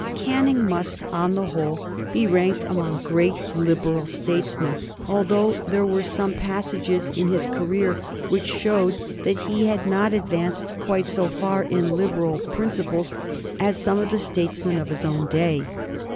Canning must, on the whole, be ranked among great Liberal statesmen, although there were some passages in his career which showed that he had not advanced quite so far in Liberal principles as some of the statesmen of his own day.